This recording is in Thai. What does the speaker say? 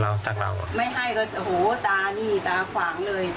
ขนาดตำรวจมา๕คนนะมาตรวจตอนนั้นมาดู